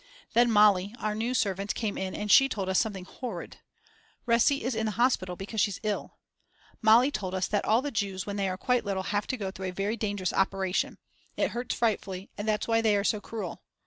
Then Mali, our new servant, came in, and she told us something horrid. Resi is in a hospital because she's ill. Mali told us that all the Jews when they are quite little have to go through a very dangerous operation; it hurts frightfully and that's why they are so cruel.